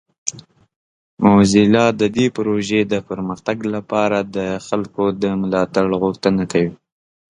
موزیلا د دې پروژې د پرمختګ لپاره د خلکو د ملاتړ غوښتنه کوي.